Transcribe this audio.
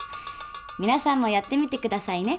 皆さんもやってみて下さいね。